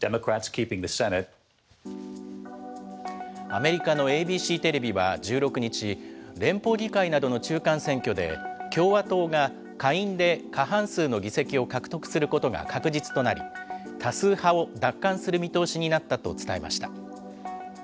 アメリカのＡＢＣテレビは１６日、連邦議会などの中間選挙で、共和党が下院で過半数の議席を獲得することが確実となり、多数派を奪還する見通しになったと伝えました。